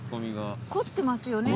凝ってますよね